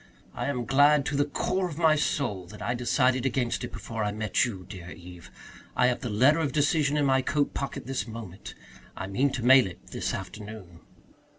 I am glad to the core of my soul that I decided against it before I met you, dear Eve. I have the letter of decision in my coat pocket this moment. I mean to mail it this afternoon."